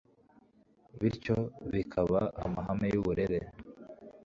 bityo bikaba amahame y'uburere